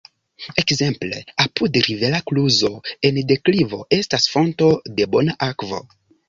Ekzemple apud rivera kluzo en deklivo estas fonto de bona akvo.